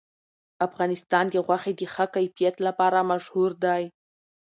افغانستان د غوښې د ښه کیفیت لپاره مشهور دی.